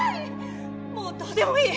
もうどうでもいい！